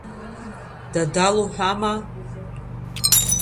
Дадал уҳәама?!